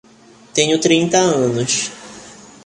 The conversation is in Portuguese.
Tenho trinta anos.